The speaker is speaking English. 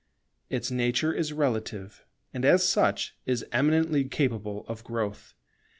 Its nature is relative; and, as such, is eminently capable of growth.